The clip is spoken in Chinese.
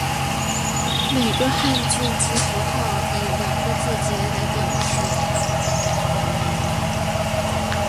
每个汉字及符号以两个字节来表示。